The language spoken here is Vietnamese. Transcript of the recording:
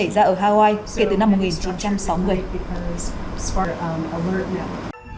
tồi tệ nhất xảy ra ở hawaii kể từ năm một nghìn chín trăm sáu mươi